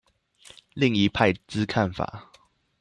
另一派之看法